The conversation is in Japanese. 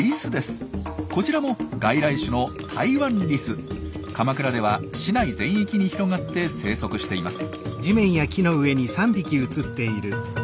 こちらも外来種の鎌倉では市内全域に広がって生息しています。